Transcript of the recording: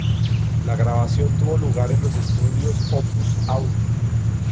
La grabación tuvo lugar en los estudios "Opus Audio".